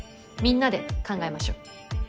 みんなで考えましょ。